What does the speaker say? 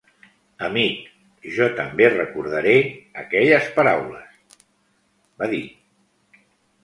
"Amic, jo també recordaré aquelles paraules", va dir.